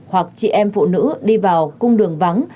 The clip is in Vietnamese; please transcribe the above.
hoặc chị em phụ nữ đi vào cung đường vắng